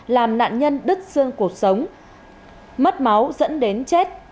làm nạn nhân đứt xương cuộc sống mất máu dẫn đến chết